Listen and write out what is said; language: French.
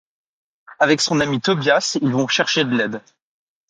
Avec son ami Tobias, ils vont chercher de l’aide.